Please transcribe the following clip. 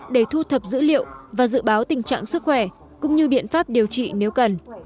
để thu thập dữ liệu và dự báo tình trạng sức khỏe cũng như biện pháp điều trị nếu cần